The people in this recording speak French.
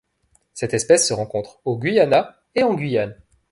Cette espèce se rencontre au Guyana et en Guyane.